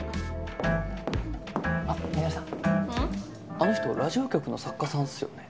あの人ラジオ局の作家さんっすよね？